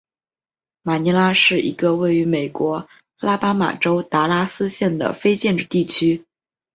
马尼拉是一个位于美国阿拉巴马州达拉斯县的非建制地区。